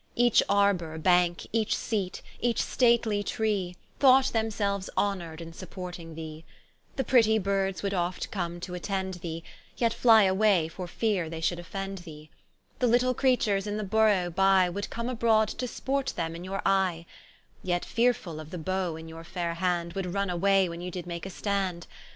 Each Arbor, Banke, each Seate, each stately Tree, Thought themselues honor'd i[n] supporting thee, The pretty Birds would oft come to attend thee, Yet flie away for feare they should offend thee: The little creatures in the Burrough by Would come abroad to sport them in your eye; Yet fearefull of the Bowe in your faire Hand, Would runne away when you did make a stand.